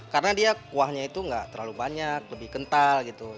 karena dia kuahnya itu nggak terlalu banyak lebih kental gitu